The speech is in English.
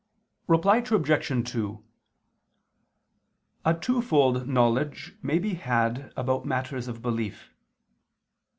Reply Obj. 2: A twofold knowledge may be had about matters of belief.